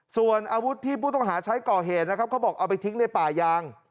ส่วนอาวุธที่ผู้ต้องหาใช้ก่อเหตุนะครับเขาบอกเอาไปทิ้งในป่ายาง